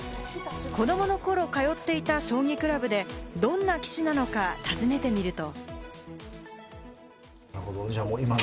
子どもの頃に通っていた将棋クラブでどんな棋士なのか尋ねてみると。